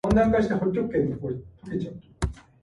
Itzigsohn was a professor of spherical and practical astronomy.